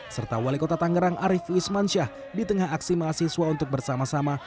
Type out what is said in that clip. serta wali kota tangerang arief wismansyah di tengah aksi mahasiswa untuk bersama sama